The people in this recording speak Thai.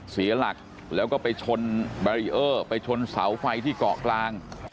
เสียหลักแล้วก็ไปชนแบรีเออร์ไปชนเสาไฟที่เกาะกลาง